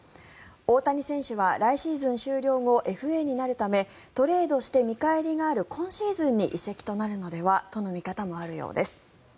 大谷選手は来シーズン終了後ＦＡになるためトレードして見返りがある今シーズンに移籍となるのではとの見方もあるようです。